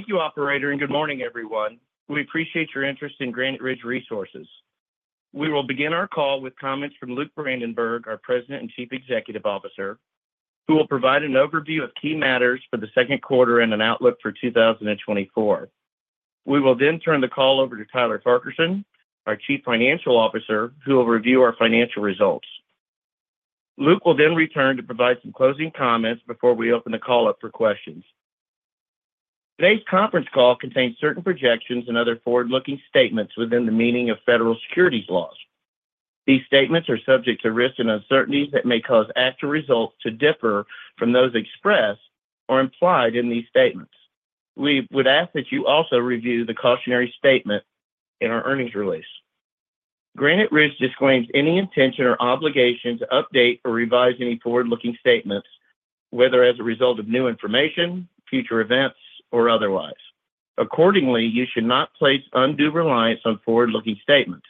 Thank you, operator, and good morning, everyone. We appreciate your interest in Granite Ridge Resources. We will begin our call with comments from Luke Brandenburg, our President and Chief Executive Officer, who will provide an overview of key matters for the second quarter and an outlook for 2024. We will then turn the call over to Tyler Parkinson, our Chief Financial Officer, who will review our financial results. Luke will then return to provide some closing comments before we open the call up for questions. Today's conference call contains certain projections and other forward-looking statements within the meaning of federal securities laws. These statements are subject to risks and uncertainties that may cause actual results to differ from those expressed or implied in these statements. We would ask that you also review the cautionary statement in our earnings release. Granite Ridge disclaims any intention or obligation to update or revise any forward-looking statements, whether as a result of new information, future events, or otherwise. Accordingly, you should not place undue reliance on forward-looking statements.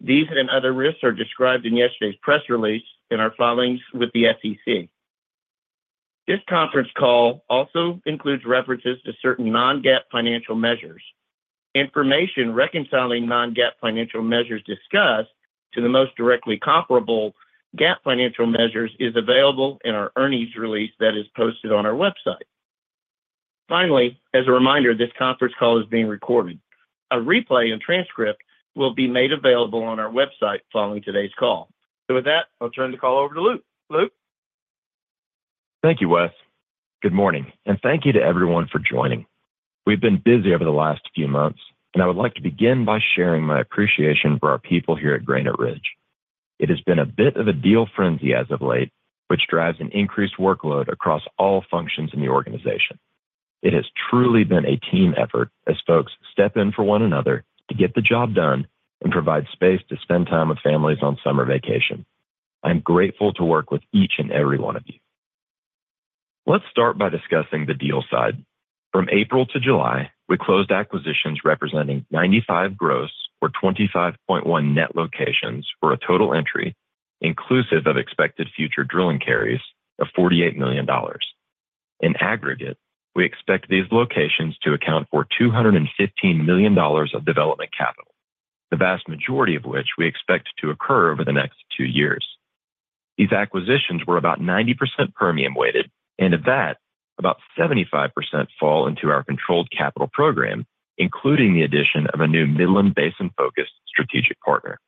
These and other risks are described in yesterday's press release in our filings with the SEC. This conference call also includes references to certain non-GAAP financial measures. Information reconciling non-GAAP financial measures discussed to the most directly comparable GAAP financial measures is available in our earnings release that is posted on our website. Finally, as a reminder, this conference call is being recorded. A replay and transcript will be made available on our website following today's call. With that, I'll turn the call over to Luke. Luke? Thank you, Wes. Good morning, and thank you to everyone for joining. We've been busy over the last few months, and I would like to begin by sharing my appreciation for our people here at Granite Ridge. It has been a bit of a deal frenzy as of late, which drives an increased workload across all functions in the organization. It has truly been a team effort as folks step in for one another to get the job done and provide space to spend time with families on summer vacation. I'm grateful to work with each and every one of you. Let's start by discussing the deal side. From April to July, we closed acquisitions representing 95 gross or 25.1 net locations for a total entry, inclusive of expected future drilling carries of $48 million. In aggregate, we expect these locations to account for $215 million of development capital, the vast majority of which we expect to occur over the next two years. These acquisitions were about 90% premium weighted, and of that, about 75% fall into our Controlled Capital program, including the addition of a new Midland Basin-focused strategic partner.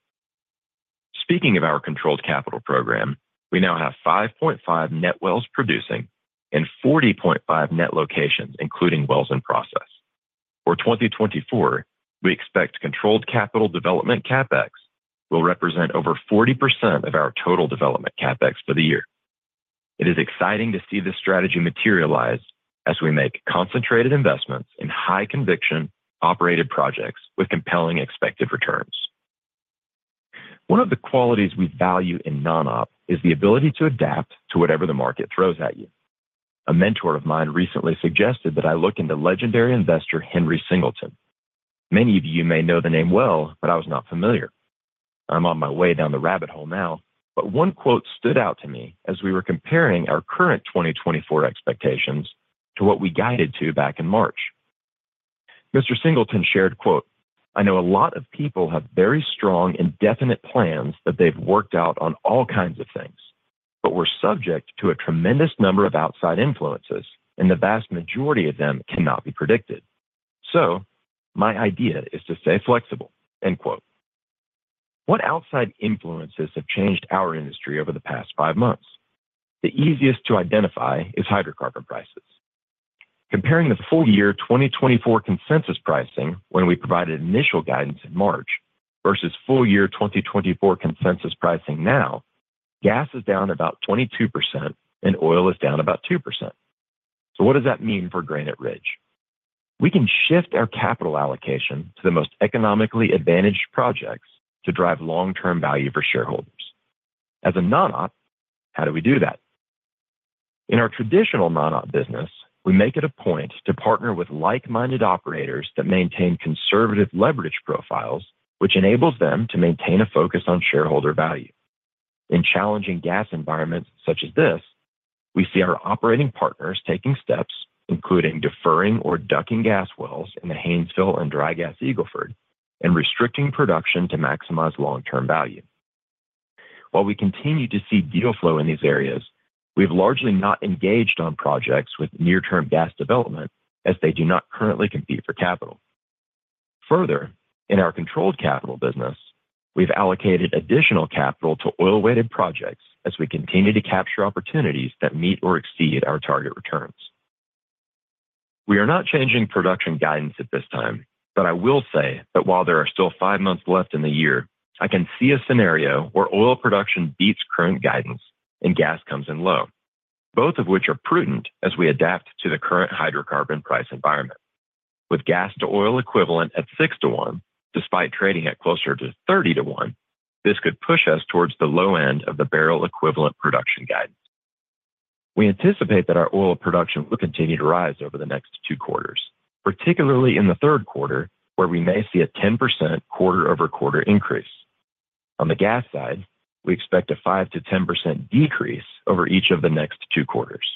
Speaking of our Controlled Capital program, we now have 5.5 net wells producing and 40.5 net locations, including wells in process. For 2024, we expect Controlled Capital development CapEx will represent over 40% of our total development CapEx for the year. It is exciting to see this strategy materialize as we make concentrated investments in high conviction operated projects with compelling expected returns. One of the qualities we value in non-op is the ability to adapt to whatever the market throws at you. A mentor of mine recently suggested that I look into legendary investor Henry Singleton. Many of you may know the name well, but I was not familiar. I'm on my way down the rabbit hole now, but one quote stood out to me as we were comparing our current 2024 expectations to what we guided to back in March. Mr. Singleton shared, quote, "I know a lot of people have very strong and definite plans that they've worked out on all kinds of things, but we're subject to a tremendous number of outside influences, and the vast majority of them cannot be predicted. So my idea is to stay flexible," end quote. What outside influences have changed our industry over the past five months? The easiest to identify is hydrocarbon prices. Comparing the full year 2024 consensus pricing when we provided initial guidance in March versus full year 2024 consensus pricing now, gas is down about 22% and oil is down about 2%. So what does that mean for Granite Ridge? We can shift our capital allocation to the most economically advantaged projects to drive long-term value for shareholders. As a non-op, how do we do that? In our traditional non-op business, we make it a point to partner with like-minded operators that maintain conservative leverage profiles, which enables them to maintain a focus on shareholder value. In challenging gas environments such as this, we see our operating partners taking steps, including deferring or DUCing gas wells in the Haynesville and Dry Gas Eagle Ford, and restricting production to maximize long-term value. While we continue to see deal flow in these areas, we've largely not engaged on projects with near-term gas development as they do not currently compete for capital. Further, in our Controlled Capital business, we've allocated additional capital to oil-weighted projects as we continue to capture opportunities that meet or exceed our target returns. We are not changing production guidance at this time, but I will say that while there are still five months left in the year, I can see a scenario where oil production beats current guidance and gas comes in low, both of which are prudent as we adapt to the current hydrocarbon price environment. With gas to oil equivalent at 6:1, despite trading at closer to 30:1, this could push us towards the low end of the barrel equivalent production guidance. We anticipate that our oil production will continue to rise over the next two quarters, particularly in the third quarter, where we may see a 10% quarter-over-quarter increase.... On the gas side, we expect a 5%-10% decrease over each of the next two quarters.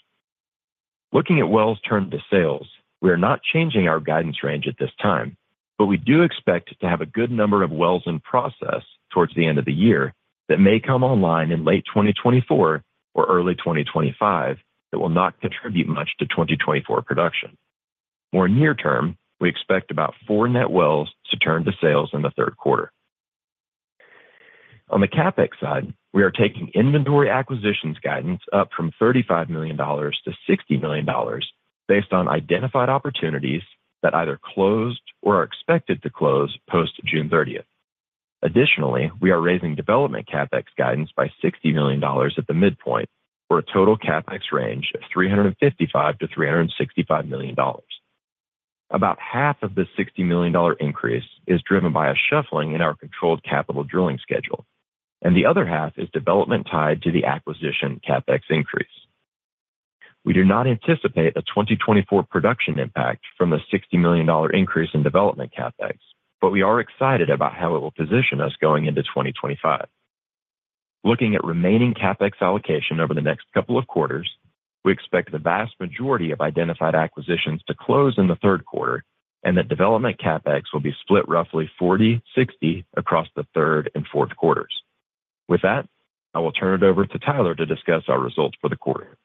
Looking at wells turned to sales, we are not changing our guidance range at this time, but we do expect to have a good number of wells in process towards the end of the year that may come online in late 2024 or early 2025, that will not contribute much to 2024 production. More near term, we expect about four net wells to turn to sales in the third quarter. On the CapEx side, we are taking inventory acquisitions guidance up from $35 million to $60 million, based on identified opportunities that either closed or are expected to close post June 30. Additionally, we are raising development CapEx guidance by $60 million at the midpoint, for a total CapEx range of $355 million-$365 million. About half of the $60 million increase is driven by a shuffling in our Controlled Capital drilling schedule, and the other half is development tied to the acquisition CapEx increase. We do not anticipate a 2024 production impact from the $60 million increase in development CapEx, but we are excited about how it will position us going into 2025. Looking at remaining CapEx allocation over the next couple of quarters, we expect the vast majority of identified acquisitions to close in the third quarter, and that development CapEx will be split roughly 40, 60 across the third and fourth quarters. With that, I will turn it over to Tyler to discuss our results for the quarter.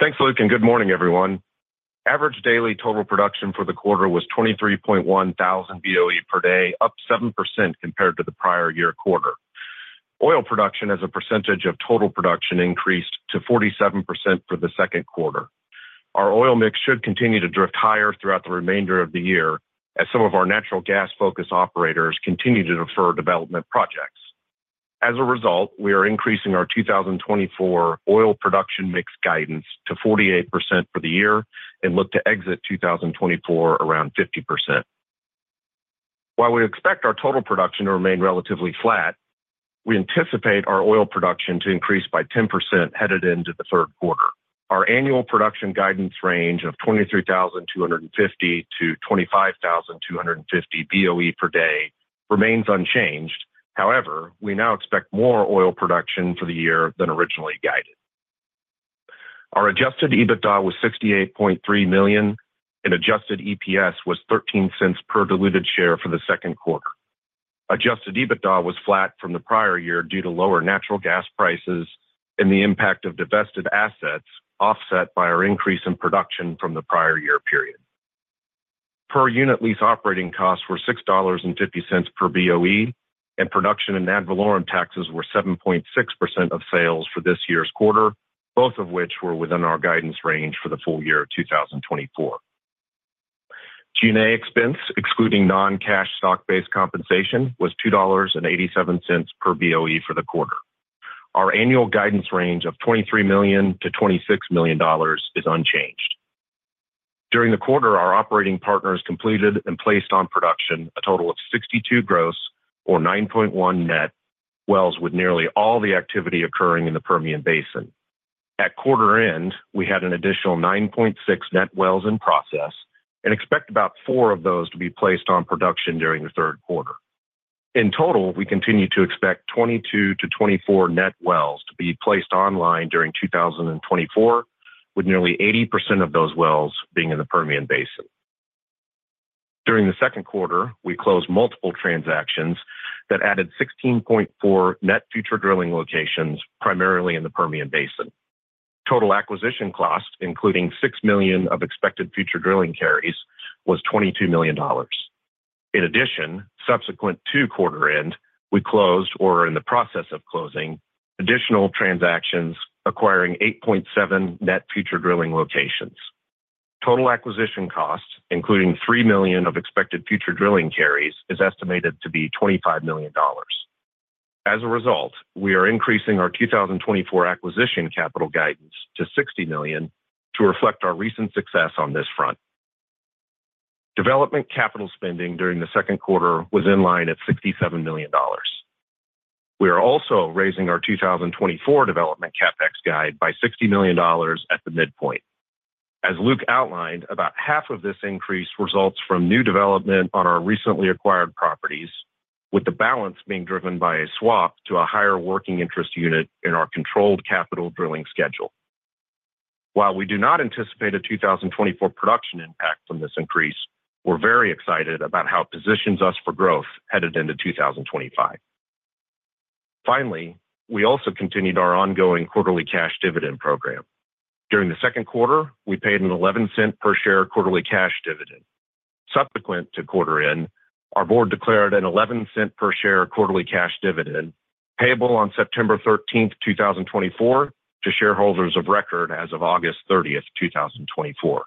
Thanks, Luke, and good morning, everyone. Average daily total production for the quarter was 23,100 Boe per day, up 7% compared to the prior year quarter. Oil production as a percentage of total production, increased to 47% for the second quarter. Our oil mix should continue to drift higher throughout the remainder of the year, as some of our natural gas focus operators continue to defer development projects. As a result, we are increasing our 2024 oil production mix guidance to 48% for the year and look to exit 2024 around 50%. While we expect our total production to remain relatively flat, we anticipate our oil production to increase by 10% headed into the third quarter. Our annual production guidance range of 23,250-25,250 Boe per day remains unchanged. However, we now expect more oil production for the year than originally guided. Our Adjusted EBITDA was $68.3 million, and Adjusted EPS was $0.13 per diluted share for the second quarter. Adjusted EBITDA was flat from the prior year due to lower natural gas prices and the impact of divested assets, offset by our increase in production from the prior year period. Per unit lease operating costs were $6.50 per Boe, and production and ad valorem taxes were 7.6% of sales for this year's quarter, both of which were within our guidance range for the full year of 2024. G&A expense, excluding non-cash stock-based compensation, was $2.87 per Boe for the quarter. Our annual guidance range of $23 million-$26 million is unchanged. During the quarter, our operating partners completed and placed on production a total of 62 gross or 9.1 net wells, with nearly all the activity occurring in the Permian Basin. At quarter end, we had an additional 9.6 net wells in process and expect about four of those to be placed on production during the third quarter. In total, we continue to expect 22-24 net wells to be placed online during 2024, with nearly 80% of those wells being in the Permian Basin. During the second quarter, we closed multiple transactions that added 16.4 net future drilling locations, primarily in the Permian Basin. Total acquisition costs, including $6 million of expected future drilling carries, was $22 million. In addition, subsequent to quarter end, we closed or are in the process of closing additional transactions, acquiring 8.7 net future drilling locations. Total acquisition costs, including $3 million of expected future drilling carries, is estimated to be $25 million. As a result, we are increasing our 2024 acquisition capital guidance to $60 million to reflect our recent success on this front. Development capital spending during the second quarter was in line at $67 million. We are also raising our 2024 development CapEx guide by $60 million at the midpoint. As Luke outlined, about half of this increase results from new development on our recently acquired properties, with the balance being driven by a swap to a higher working interest unit in our Controlled Capital drilling schedule. While we do not anticipate a 2024 production impact from this increase, we're very excited about how it positions us for growth headed into 2025. Finally, we also continued our ongoing quarterly cash dividend program. During the second quarter, we paid a $0.11 per share quarterly cash dividend. Subsequent to quarter end, our board declared a $0.11 per share quarterly cash dividend, payable on September 13, 2024, to shareholders of record as of August 30, 2024.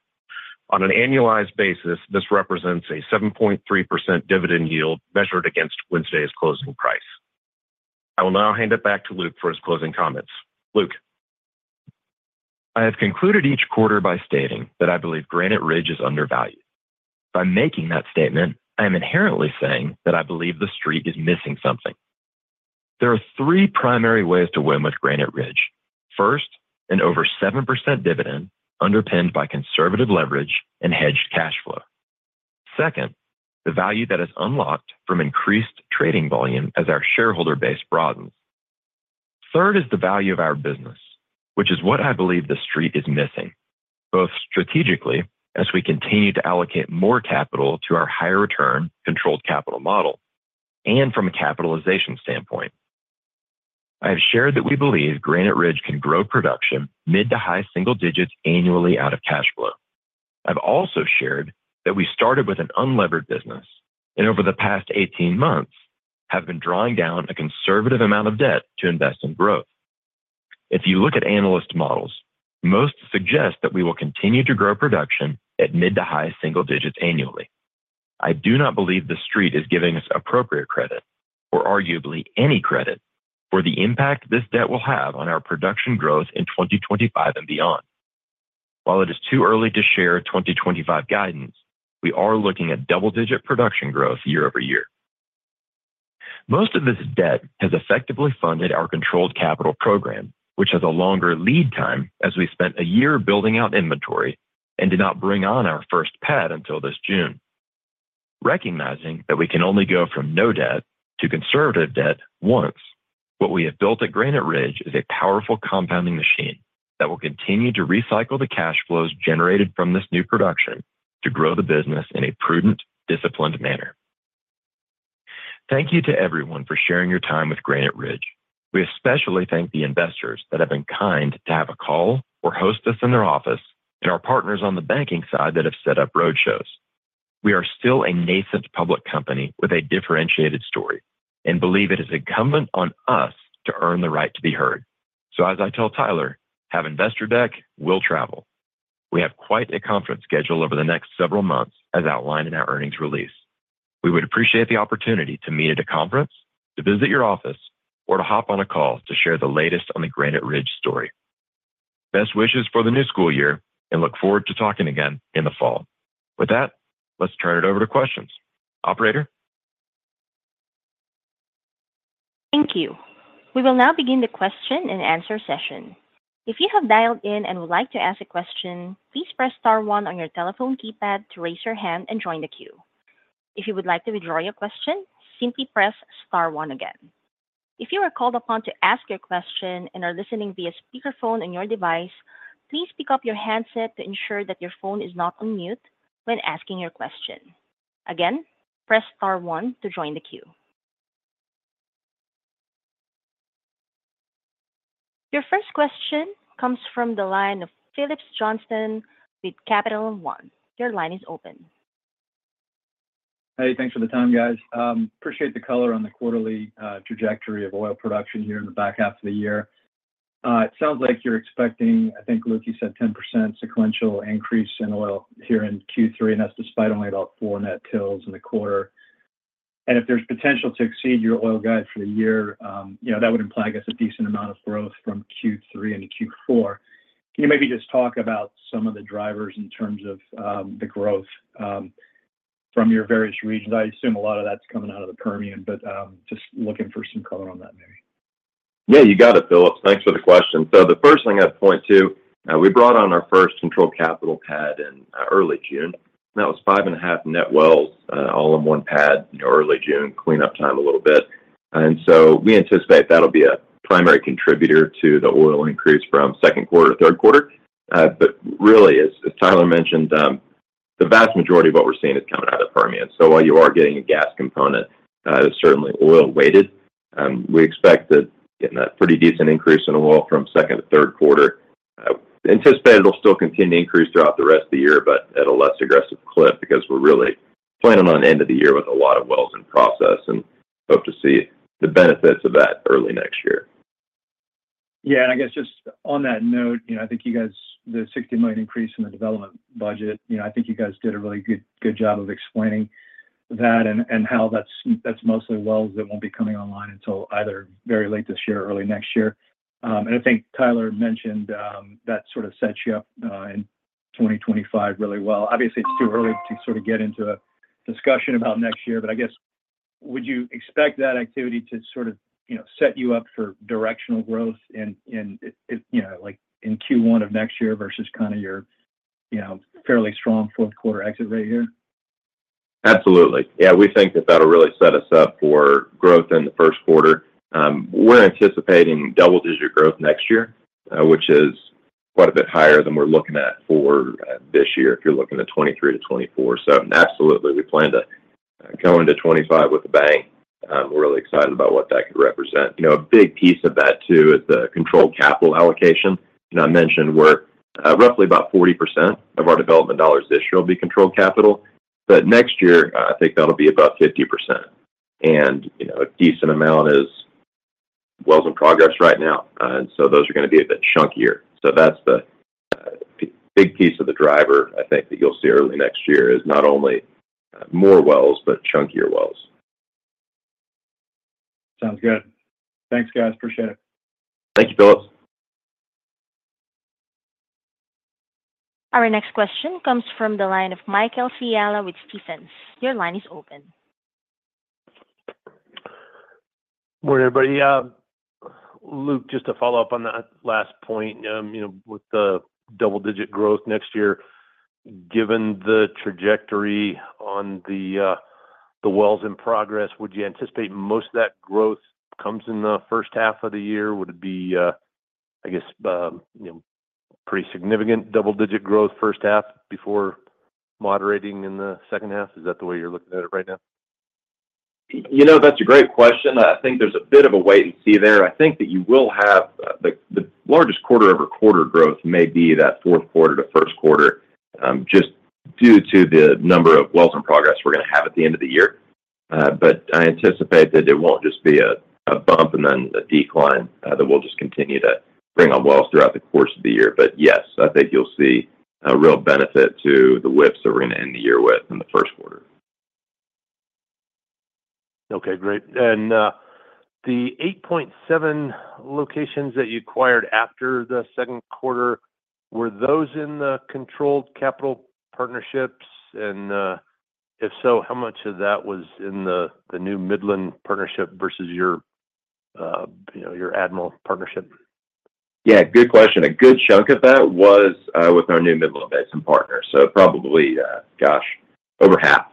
On an annualized basis, this represents a 7.3% dividend yield measured against Wednesday's closing price. I will now hand it back to Luke for his closing comments. Luke? I have concluded each quarter by stating that I believe Granite Ridge is undervalued. By making that statement, I am inherently saying that I believe The Street is missing something. There are three primary ways to win with Granite Ridge. First, an over 7% dividend underpinned by conservative leverage and hedged cash flow. Second, the value that is unlocked from increased trading volume as our shareholder base broadens. Third is the value of our business, which is what I believe the Street is missing, both strategically as we continue to allocate more capital to our higher return Controlled Capital model, and from a capitalization standpoint. I have shared that we believe Granite Ridge can grow production mid- to high-single digits annually out of cash flow. I've also shared that we started with an unlevered business, and over the past 18 months have been drawing down a conservative amount of debt to invest in growth. If you look at analyst models, most suggest that we will continue to grow production at mid- to high-single digits annually. I do not believe the Street is giving us appropriate credit, or arguably any credit, for the impact this debt will have on our production growth in 2025 and beyond. While it is too early to share 2025 guidance, we are looking at double-digit production growth year-over-year. Most of this debt has effectively funded our Controlled Capital program, which has a longer lead time as we spent a year building out inventory and did not bring on our first pad until this June. Recognizing that we can only go from no debt to conservative debt once, what we have built at Granite Ridge is a powerful compounding machine that will continue to recycle the cash flows generated from this new production to grow the business in a prudent, disciplined manner. Thank you to everyone for sharing your time with Granite Ridge. We especially thank the investors that have been kind to have a call or host us in their office, and our partners on the banking side that have set up roadshows. We are still a nascent public company with a differentiated story and believe it is incumbent on us to earn the right to be heard. So as I tell Tyler, "Have investor deck, we'll travel." We have quite a conference schedule over the next several months, as outlined in our earnings release. We would appreciate the opportunity to meet at a conference, to visit your office, or to hop on a call to share the latest on the Granite Ridge story. Best wishes for the new school year, and look forward to talking again in the fall. With that, let's turn it over to questions. Operator? Thank you. We will now begin the question and answer session. If you have dialed in and would like to ask a question, please press star one on your telephone keypad to raise your hand and join the queue. If you would like to withdraw your question, simply press star one again. If you are called upon to ask your question and are listening via speakerphone on your device, please pick up your handset to ensure that your phone is not on mute when asking your question. Again, press star one to join the queue. Your first question comes from the line of Phillips Johnston with Capital One. Your line is open. Hey, thanks for the time, guys. Appreciate the color on the quarterly trajectory of oil production here in the back half of the year. It sounds like you're expecting, I think, Luke, you said 10% sequential increase in oil here in Q3, and that's despite only about four net wells in the quarter. And if there's potential to exceed your oil guide for the year, you know, that would imply, I guess, a decent amount of growth from Q3 into Q4. Can you maybe just talk about some of the drivers in terms of the growth from your various regions? I assume a lot of that's coming out of the Permian, but just looking for some color on that maybe. Yeah, you got it, Phillips. Thanks for the question. So the first thing I'd point to, we brought on our first Controlled Capital pad in early June. That was 5.5 net wells, all in one pad in early June. Cleanup time a little bit. And so we anticipate that'll be a primary contributor to the oil increase from second quarter to third quarter. But really, as Tyler mentioned, the vast majority of what we're seeing is coming out of Permian. So while you are getting a gas component, it's certainly oil weighted. We expect that getting a pretty decent increase in oil from second to third quarter. Anticipate it'll still continue to increase throughout the rest of the year, but at a less aggressive clip, because we're really planning on end of the year with a lot of wells in process and hope to see the benefits of that early next year. Yeah, and I guess just on that note, you know, I think you guys, the $60 million increase in the development budget, you know, I think you guys did a really good, good job of explaining that and, and how that's, that's mostly wells that won't be coming online until either very late this year or early next year. And I think Tyler mentioned, that sort of sets you up, in 2025 really well. Obviously, it's too early to sort of get into a discussion about next year, but I guess, would you expect that activity to sort of, you know, set you up for directional growth in, in, you know, like, in Q1 of next year versus kind of your, you know, fairly strong fourth quarter exit right here? Absolutely. Yeah, we think that that'll really set us up for growth in the first quarter. We're anticipating double-digit growth next year, which is quite a bit higher than we're looking at for this year, if you're looking at 2023-2024. So absolutely, we plan to go into 2025 with a bang. We're really excited about what that could represent. You know, a big piece of that, too, is the Controlled Capital allocation. You know, I mentioned we're roughly about 40% of our development dollars this year will be Controlled Capital, but next year, I think that'll be about 50%. And, you know, a decent amount is wells in progress right now, and so those are gonna be a bit chunkier. So that's the big piece of the driver, I think, that you'll see early next year is not only more wells, but chunkier wells. Sounds good. Thanks, guys. Appreciate it. Thank you, Phillips. Our next question comes from the line of Michael Scialla with Stephens. Your line is open. Morning, everybody. Luke, just to follow up on that last point, you know, with the double-digit growth next year, given the trajectory on the wells in progress, would you anticipate most of that growth comes in the first half of the year? Would it be, I guess, you know, pretty significant double-digit growth first half before moderating in the second half? Is that the way you're looking at it right now? You know, that's a great question. I think there's a bit of a wait-and-see there. I think that you will have the largest quarter-over-quarter growth may be that fourth quarter to first quarter, just due to the number of wells in progress we're gonna have at the end of the year. But I anticipate that it won't just be a bump and then a decline, that we'll just continue to bring on wells throughout the course of the year. But yes, I think you'll see a real benefit to the WIPs that we're gonna end the year with in the first quarter. Okay, great. And the 8.7 locations that you acquired after the second quarter, were those in the Controlled Capital partnerships? And if so, how much of that was in the new Midland partnership versus your, you know, your Admiral partnership? Yeah, good question. A good chunk of that was with our new Midland Basin partner. So probably, gosh, over half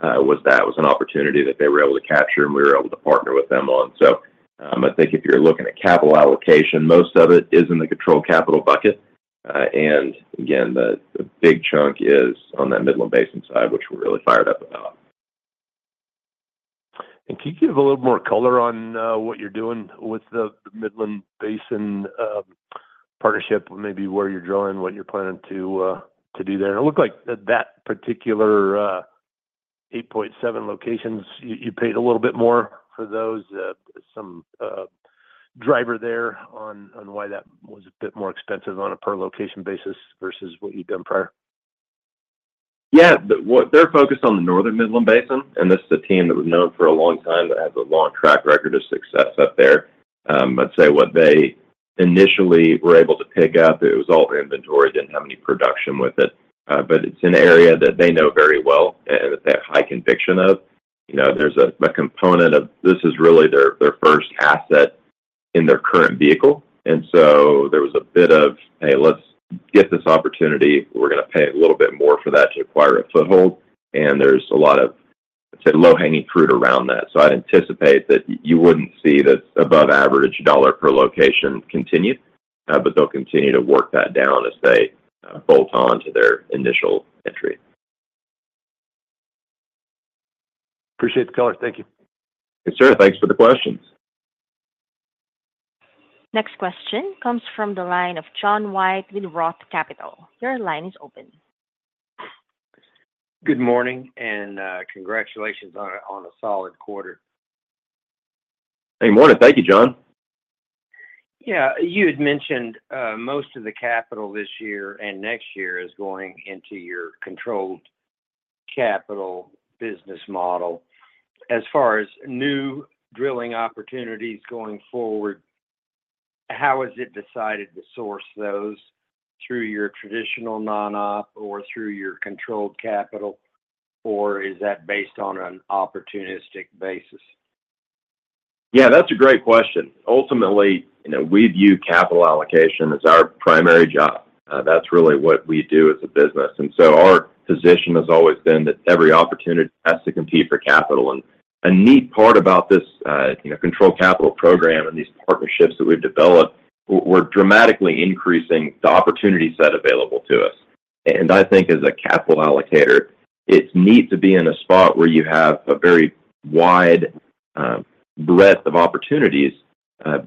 was that, was an opportunity that they were able to capture, and we were able to partner with them on. So, I think if you're looking at capital allocation, most of it is in the Controlled Capital bucket. And again, the big chunk is on that Midland Basin side, which we're really fired up about. Can you give a little more color on what you're doing with the Midland Basin partnership? Maybe where you're drilling, what you're planning to do there. It looked like that particular 8.7 locations, you paid a little bit more for those. Some driver there on why that was a bit more expensive on a per location basis versus what you've done prior. Yeah. They're focused on the northern Midland Basin, and this is a team that we've known for a long time, that has a long track record of success up there. I'd say what they initially were able to pick up, it was all inventory, didn't have any production with it. But it's an area that they know very well and that they have high conviction of. You know, there's a component of this is really their first asset in their current vehicle, and so there was a bit of, "Hey, let's get this opportunity. We're gonna pay a little bit more for that to acquire a foothold." And there's a lot of, let's say, low-hanging fruit around that. I'd anticipate that you wouldn't see that above average dollar per location continue, but they'll continue to work that down as they bolt on to their initial entry. Appreciate the color. Thank you. Yes, sir. Thanks for the questions. Next question comes from the line of John White with Roth Capital. Your line is open. Good morning, and congratulations on a solid quarter. Hey, morning. Thank you, John. Yeah. You had mentioned most of the capital this year and next year is going into your Controlled Capital business model. As far as new drilling opportunities going forward, how is it decided to source those, through your traditional non-op or through your Controlled Capital, or is that based on an opportunistic basis? Yeah, that's a great question. Ultimately, you know, we view capital allocation as our primary job. That's really what we do as a business. And so our position has always been that every opportunity has to compete for capital. And a neat part about this, you know, Controlled Capital program and these partnerships that we've developed, we're dramatically increasing the opportunity set available to us. And I think as a capital allocator, it's neat to be in a spot where you have a very wide breadth of opportunities.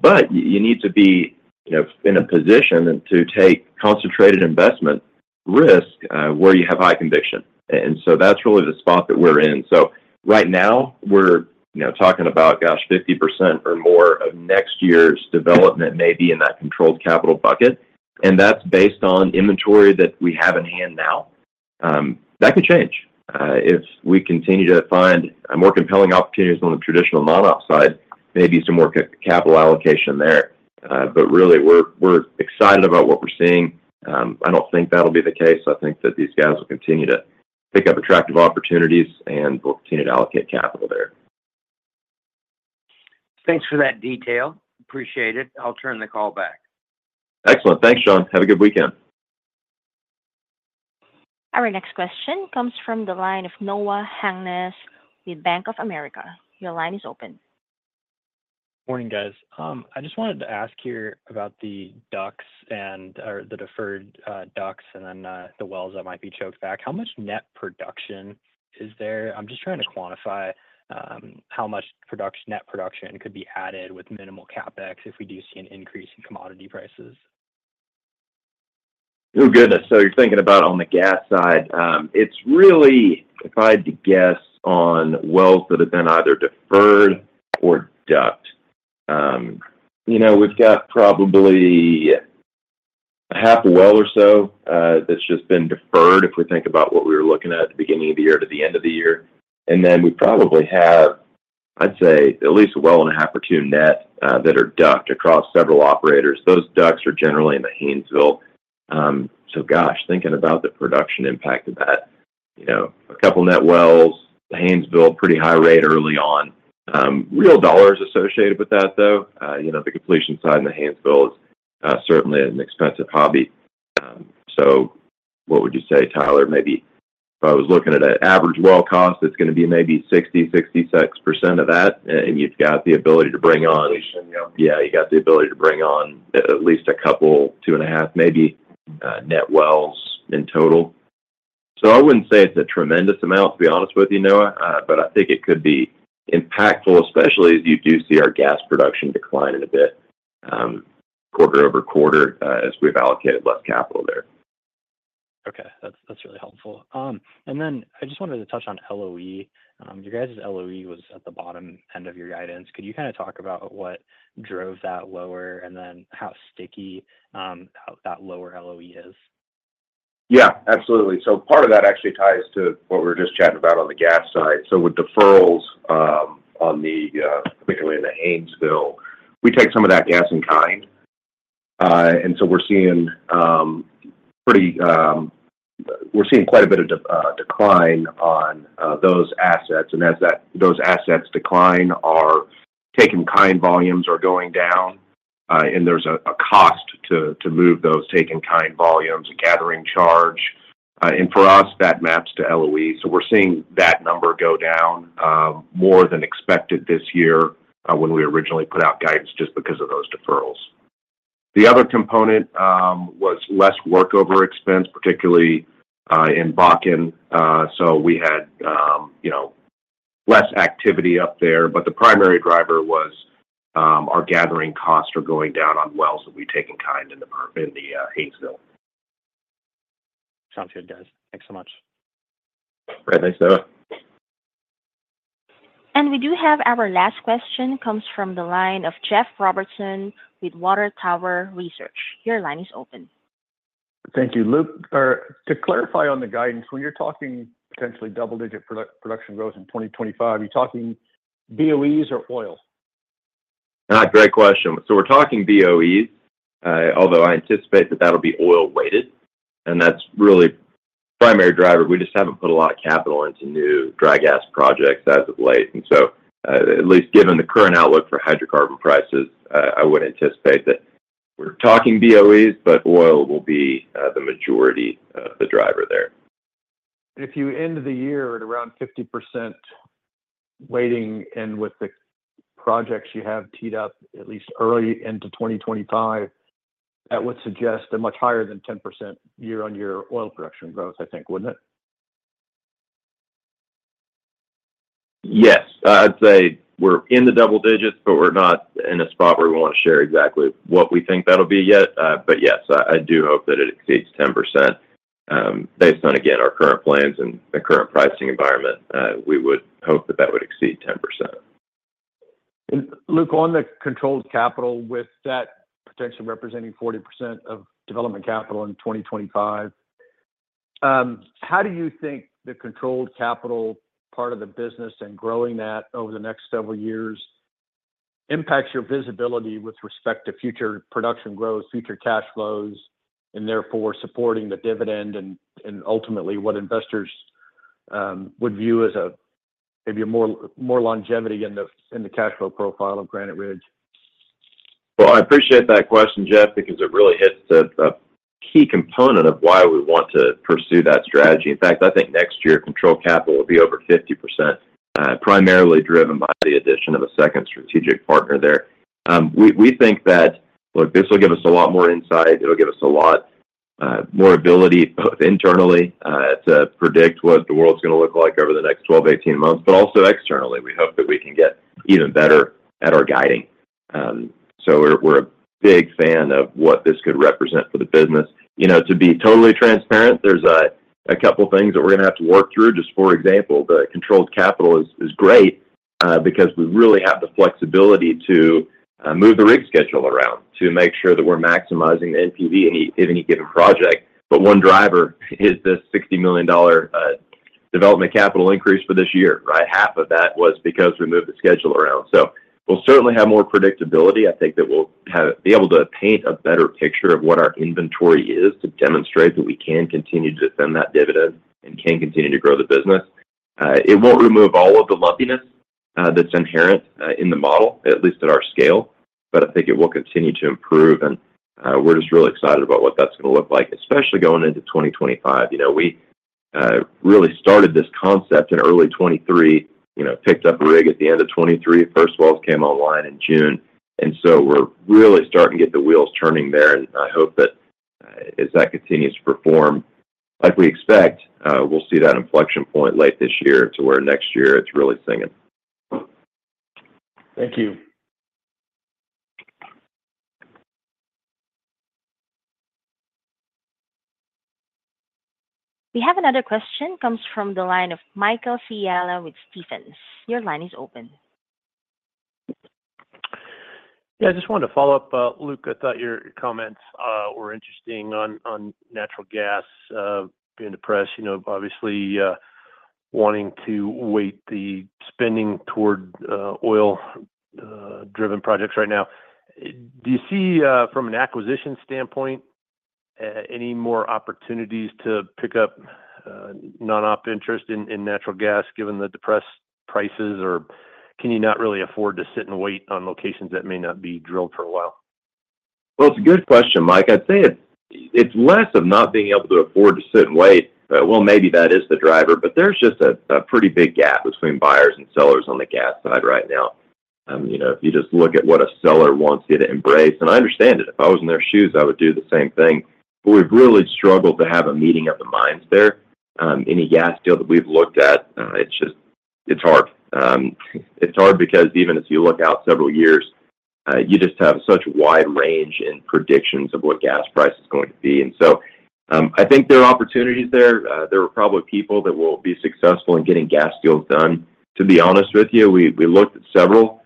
But you need to be, you know, in a position to take concentrated investment risk, where you have high conviction. And so that's really the spot that we're in. So right now, we're, you know, talking about, gosh, 50% or more of next year's development may be in that Controlled Capital bucket, and that's based on inventory that we have in hand now. That could change. If we continue to find a more compelling opportunities on the traditional non-op side, maybe some more capital allocation there. But really, we're excited about what we're seeing. I don't think that'll be the case. I think that these guys will continue to pick up attractive opportunities, and we'll continue to allocate capital there. Thanks for that detail. Appreciate it. I'll turn the call back. Excellent. Thanks, John. Have a good weekend. Our next question comes from the line of Noah Hungness with Bank of America. Your line is open. Morning, guys. I just wanted to ask you about the DUCs and—or the deferred DUCs and then the wells that might be choked back. How much net production is there? I'm just trying to quantify how much production, net production could be added with minimal CapEx if we do see an increase in commodity prices. Oh, goodness! So you're thinking about on the gas side. It's really, if I had to guess, on wells that have been either deferred or DUC'd. You know, we've got probably half a well or so, that's just been deferred, if we think about what we were looking at at the beginning of the year to the end of the year. And then we probably have. I'd say at least a well and a half or two net, that are DUC across several operators. Those DUCs are generally in the Haynesville. So gosh, thinking about the production impact of that, you know, a couple net wells, the Haynesville, pretty high rate early on. Real dollars associated with that, though. You know, the completion side in the Haynesville is certainly an expensive hobby. So what would you say, Tyler? Maybe if I was looking at an average well cost, it's gonna be maybe 60%, 66% of that, and you've got the ability to bring on- Yeah. Yeah, you've got the ability to bring on at least a couple, 2.5, maybe, net wells in total. So I wouldn't say it's a tremendous amount, to be honest with you, Noah, but I think it could be impactful, especially as you do see our gas production declining a bit, quarter-over-quarter, as we've allocated less capital there. Okay. That's, that's really helpful. And then I just wanted to touch on LOE. Your guys' LOE was at the bottom end of your guidance. Could you kind of talk about what drove that lower, and then how sticky that lower LOE is? Yeah, absolutely. So part of that actually ties to what we were just chatting about on the gas side. So with deferrals, on the, particularly in the Haynesville, we take some of that gas in kind. And so we're seeing pretty... We're seeing quite a bit of decline on those assets. And as that, those assets decline, our take in kind volumes are going down, and there's a cost to move those take in kind volumes, a gathering charge. And for us, that maps to LOE. So we're seeing that number go down, more than expected this year, when we originally put out guidance, just because of those deferrals. The other component was less workover expense, particularly, in Bakken. So we had, you know, less activity up there, but the primary driver was our gathering costs are going down on wells that we take in kind in the Haynesville. Sounds good, guys. Thanks so much. All right. Thanks, Noah. We do have our last question, comes from the line of Jeff Robertson with Water Tower Research. Your line is open. Thank you. Luke, to clarify on the guidance, when you're talking potentially double-digit production growth in 2025, you're talking BOEs or oil? Great question. So we're talking BOEs, although I anticipate that that'll be oil weighted, and that's really primary driver. We just haven't put a lot of capital into new dry gas projects as of late. And so, at least given the current outlook for hydrocarbon prices, I would anticipate that we're talking BOEs, but oil will be, the majority of the driver there. If you end the year at around 50% weighting, and with the projects you have teed up at least early into 2025, that would suggest a much higher than 10% year-on-year oil production growth, I think, wouldn't it? Yes. I'd say we're in the double digits, but we're not in a spot where we want to share exactly what we think that'll be yet. But yes, I do hope that it exceeds 10%. Based on, again, our current plans and the current pricing environment, we would hope that that would exceed 10%. And Luke, on the Controlled Capital, with that potentially representing 40% of development capital in 2025, how do you think the Controlled Capital part of the business and growing that over the next several years impacts your visibility with respect to future production growth, future cash flows, and therefore supporting the dividend, and, and ultimately, what investors would view as a maybe a more, more longevity in the, in the cash flow profile of Granite Ridge? Well, I appreciate that question, Jeff, because it really hits the key component of why we want to pursue that strategy. In fact, I think next year, Controlled Capital will be over 50%, primarily driven by the addition of a second strategic partner there. We think that... Look, this will give us a lot more insight. It'll give us a lot more ability, both internally to predict what the world's gonna look like over the next 12, 18 months, but also externally. We hope that we can get even better at our guiding. So we're a big fan of what this could represent for the business. You know, to be totally transparent, there's a couple things that we're gonna have to work through. Just, for example, the Controlled Capital is great because we really have the flexibility to move the rig schedule around to make sure that we're maximizing the NPV in any given project. But one driver is this $60 million development capital increase for this year, right? Half of that was because we moved the schedule around. So we'll certainly have more predictability. I think that we'll be able to paint a better picture of what our inventory is, to demonstrate that we can continue to defend that dividend and can continue to grow the business. It won't remove all of the lumpiness that's inherent in the model, at least at our scale, but I think it will continue to improve. And we're just really excited about what that's gonna look like, especially going into 2025. You know, we really started this concept in early 2023, you know, picked up a rig at the end of 2023. First wells came online in June, and so we're really starting to get the wheels turning there. And I hope that, as that continues to perform, like we expect, we'll see that inflection point late this year to where next year it's really singing. Thank you. We have another question, comes from the line of Michael Scialla with Stephens. Your line is open. Yeah, I just wanted to follow up, Luke, I thought your, your comments were interesting on, on natural gas being depressed. You know, obviously, wanting to weight the spending toward, oil driven projects right now. Do you see, from an acquisition standpoint, any more opportunities to pick up, non-op interest in, in natural gas, given the depressed prices? Or can you not really afford to sit and wait on locations that may not be drilled for a while? Well, it's a good question, Mike. I'd say it's less of not being able to afford to sit and wait. Well, maybe that is the driver, but there's just a pretty big gap between buyers and sellers on the gas side right now. You know, if you just look at what a seller wants you to embrace, and I understand it. If I was in their shoes, I would do the same thing. But we've really struggled to have a meeting of the minds there. Any gas deal that we've looked at, it's just hard. It's hard because even as you look out several years, you just have such a wide range in predictions of what gas price is going to be. And so, I think there are opportunities there. There are probably people that will be successful in getting gas deals done. To be honest with you, we looked at several,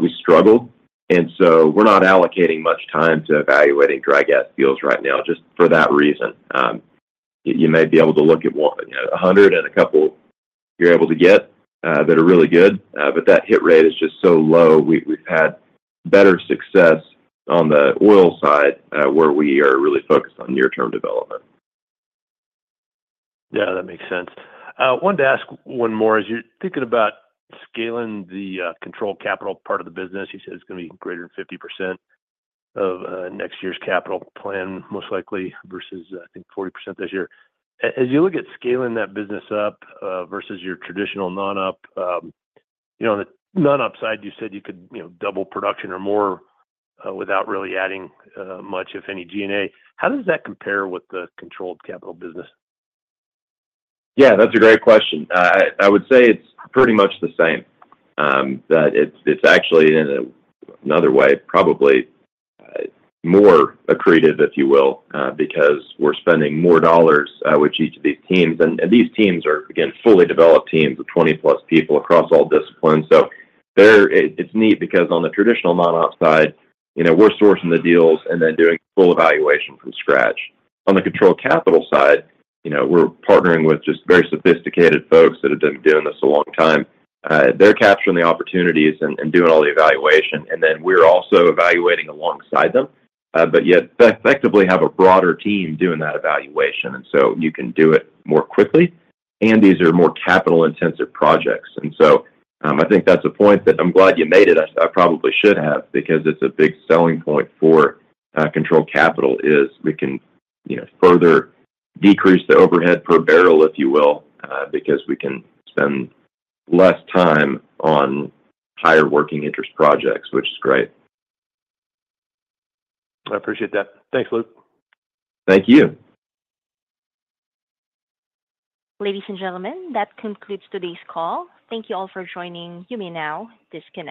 we struggled, and so we're not allocating much time to evaluating dry gas deals right now just for that reason. You may be able to look at one, you know, 100 and a couple you're able to get, that are really good, but that hit rate is just so low. We've had better success on the oil side, where we are really focused on near-term development. Yeah, that makes sense. Wanted to ask one more. As you're thinking about scaling the Controlled Capital part of the business, you said it's gonna be greater than 50% of next year's capital plan, most likely, versus, I think, 40% this year. As you look at scaling that business up versus your traditional non-op, you know, the non-op side, you said you could, you know, double production or more without really adding much, if any, G&A. How does that compare with the Controlled Capital business? Yeah, that's a great question. I would say it's pretty much the same. But it's actually in another way, probably more accretive, if you will, because we're spending more dollars with each of these teams. And these teams are, again, fully developed teams of 20-plus people across all disciplines. So they're... It's neat because on the traditional non-op side, you know, we're sourcing the deals and then doing full evaluation from scratch. On the Controlled Capital side, you know, we're partnering with just very sophisticated folks that have been doing this a long time. They're capturing the opportunities and doing all the evaluation, and then we're also evaluating alongside them. But yet effectively have a broader team doing that evaluation, and so you can do it more quickly, and these are more capital-intensive projects. So, I think that's a point that I'm glad you made it. I probably should have, because it's a big selling point for Controlled Capital: we can, you know, further decrease the overhead per barrel, if you will, because we can spend less time on higher working interest projects, which is great. I appreciate that. Thanks, Luke. Thank you. Ladies and gentlemen, that concludes today's call. Thank you all for joining. You may now disconnect.